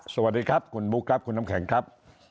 สวัสดีครับคุณบุ๊คครับคุณน้ำแข็งครับ